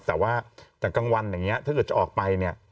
แต่ว่าจากกลางวันอย่างนี้ถ้าเกิดจะออกไปเนี่ย